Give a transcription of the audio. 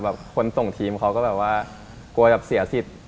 คนส่งทีมเขาก็แบบว่ากลัวจะเสียสิทธิ์